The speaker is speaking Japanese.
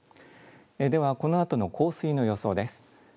ではこのあとの降水の予想です。